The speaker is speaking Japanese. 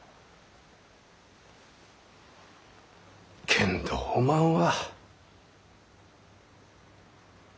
けんどおまんは。